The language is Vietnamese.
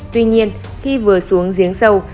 tuy nhiên khi vừa xuống giếng sâu